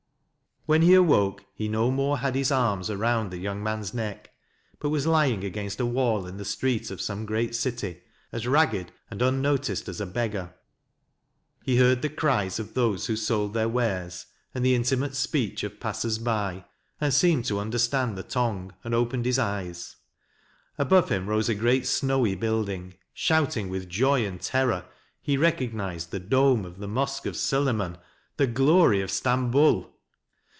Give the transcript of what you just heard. When he awoke he no more had his arms MANSUR 53 round the young man's neck, but was lying against a wall in the street of some great city, as ragged and unnoticed as a beggar. He heard the cries of those who sold their wares and the intimate speech of passers by, and seemed to understand the tongue, and opened his eyes. Above him rose a great snowy building; shouting with joy and terror he recognized the dome of the Mosque of Suleyman, the glory of Stamboul.